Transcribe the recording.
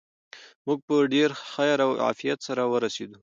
موږ په ډېر خیر او عافیت سره ورسېدو.